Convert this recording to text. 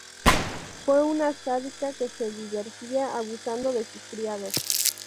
Fue una sádica que se divertía abusando de sus criados.